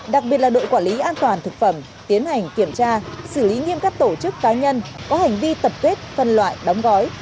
đặc biệt là đội quản lý an toàn thực phẩm tiến hành kiểm tra xử lý nghiêm các tổ chức cá nhân có hành vi tập kết phân loại đóng gói